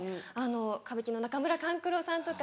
歌舞伎の中村勘九郎さんとか。